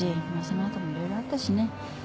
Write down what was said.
そのあともいろいろあったしね。